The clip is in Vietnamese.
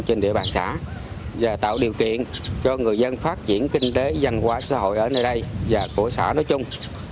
trên địa bàn xã và tạo điều kiện cho người dân phát triển kinh tế văn hóa xã hội ở nơi đây và của xã nói chung